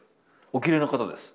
おきれいな方です。